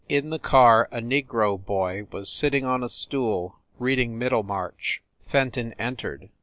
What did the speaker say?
In the car a negro boy was sitting on a stool, reading "Middlemarch." Fenton entered.